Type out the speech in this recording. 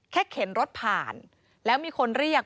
เข็นรถผ่านแล้วมีคนเรียก